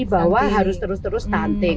bahwa harus terus terus stunting